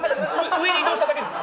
上に移動しただけです。